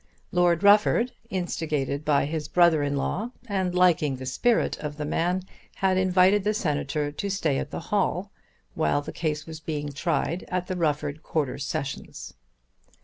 Lord Rufford, instigated by his brother in law, and liking the spirit of the man, had invited the Senator to stay at the Hall while the case was being tried at the Rufford Quarter Sessions.